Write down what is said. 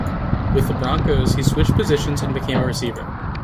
With the Broncos, he switched positions and became a receiver.